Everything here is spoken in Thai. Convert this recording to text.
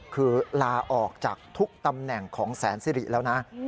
คือลาออกจากทุกตำแหน่งของแสนสิริแล้วนะ